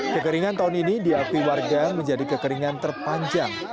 kekeringan tahun ini diakui warga menjadi kekeringan terpanjang